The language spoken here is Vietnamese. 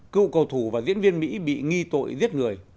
cựu cầu thủ và diễn viên mỹ bị nghi tội giết người